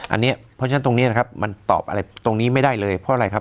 อันนี้เพราะฉะนั้นตรงนี้นะครับมันตอบอะไรตรงนี้ไม่ได้เลยเพราะอะไรครับ